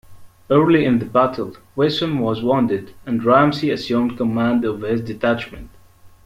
Early in the battle, Wesson was wounded and Ramsey assumed command of his detachment.